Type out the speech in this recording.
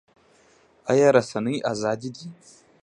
آیا رسنۍ ازادې دي؟